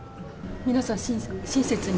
皆さん、親切に。